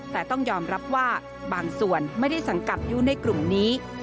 แต่ต้องยอมรับว่าบางส่วนไม่ได้สังกัดอยู่ในกลุ่มนี้